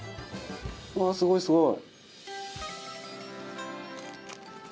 すごい、すごい。